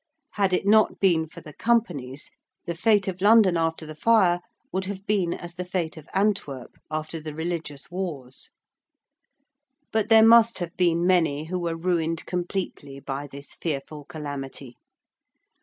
Had it not been for the Companies, the fate of London after the fire would have been as the fate of Antwerp after the Religious Wars. But there must have been many who were ruined completely by this fearful calamity.